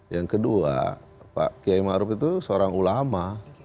yang kedua pak kiai maruf itu seorang ulama